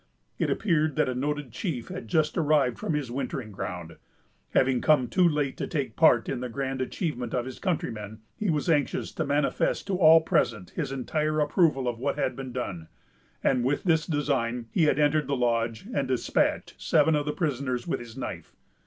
It appeared that a noted chief had just arrived from his wintering ground. Having come too late to take part in the grand achievement of his countrymen, he was anxious to manifest to all present his entire approval of what had been done, and with this design he had entered the lodge and despatched seven of the prisoners with his knife.